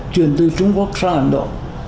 chuyển từ trung quốc sang ấn độ